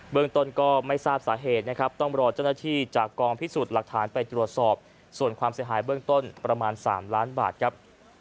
เมืองต้นก็ไม่ทราบสาเหตุนะครับต้องรอเจ้าหน้าที่จากกองพิสูจน์หลักฐานไปตรวจสอบส่วนความเสียหายเบื้องต้นประมาณ๓ล้านบาทครับ